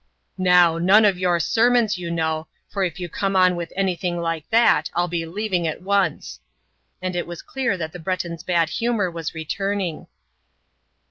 "Now none of your sermons, you know, for if you come on with anything like that I'll be leaving at once," and it was clear that the Breton's bad humor was returning.